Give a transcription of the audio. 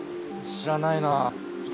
知らない。